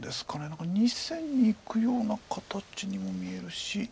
何か２線にいくような形にも見えるし。